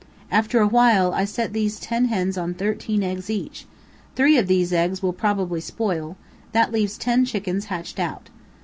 After a while, I set these ten hens on thirteen eggs each; three of these eggs will probably spoil, that leaves ten chickens hatched out.